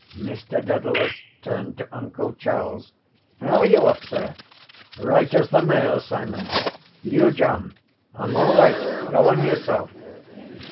Mr Dedalus turned to uncle Charles. —How are you off, sir? —Right as the mail, Simon. —You, John? —I’m all right. Go on yourself.